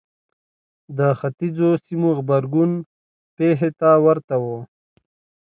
د ختیځو سیمو غبرګون پېښې ته ورته و.